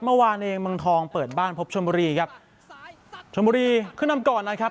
เมื่อวานเองเมืองทองเปิดบ้านพบชนบุรีครับชนบุรีขึ้นนำก่อนนะครับ